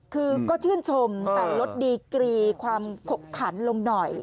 คือก็ชื่นชมแต่ลดดีกรีความขบขันลงหน่อย